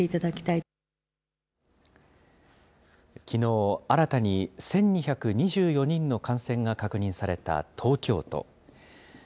きのう、新たに１２２４人の感染が確認された東京都。